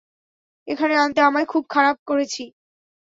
এখানে আনতে আমায় খুব খারাপ করেছি।